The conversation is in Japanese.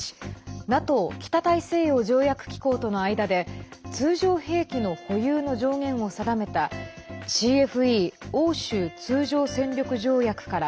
ＮＡＴＯ＝北大西洋条約機構との間で通常兵器の保有の上限を定めたＣＦＥ＝欧州通常戦力条約から